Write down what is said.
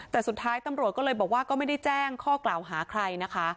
แต่สุดท้ายตำรวจก็เลยบอกว่าก็ไม่ได้แจ้งข้อกล่าวหาใครนะคะ